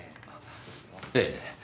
ええ。